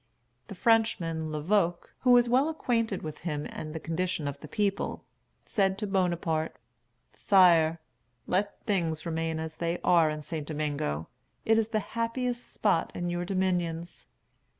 The Frenchman, Lavoque, who was well acquainted with him and the condition of the people, said to Bonaparte, "Sire, let things remain as they are in St. Domingo. It is the happiest spot in your dominions."